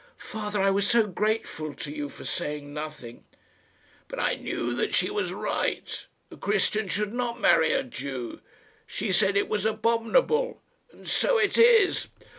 "Father, I was so grateful to you for saying nothing!" "But I knew that she was right. A Christian should not marry a Jew. She said it was abominable; and so it is."